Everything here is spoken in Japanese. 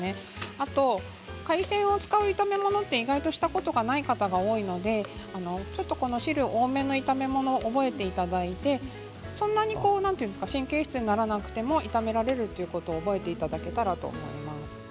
あと、海鮮を使う炒め物をしたことがない方が意外と多いので汁多めの炒め物を覚えていただいてそんなに神経質にならなくても炒められるということを覚えていただければと思います。